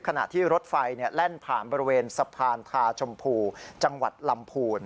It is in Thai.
ขณะที่รถไฟแล่นผ่านบริเวณสะพานทาชมพูจังหวัดลำพูน